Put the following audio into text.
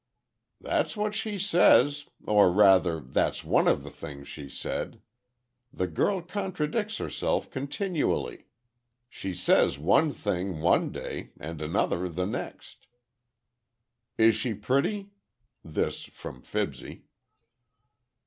"That's what she says—or rather, that's one of the things she said. The girl contradicts herself continually. She says one thing one day and another the next." "Is she pretty?" This from Fibsy.